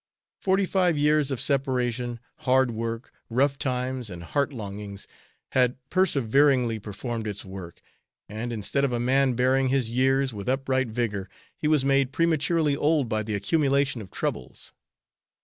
Forty five years of separation, hard work, rough times and heart longings, had perseveringly performed its work, and instead of a man bearing his years with upright vigor, he was made prematurely old by the accumulation of troubles.